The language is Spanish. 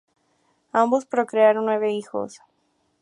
Ambos procrearon nueve hijos.